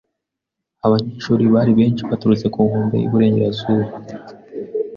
Abanyeshuri bari benshi baturutse ku nkombe y'Iburengerazuba.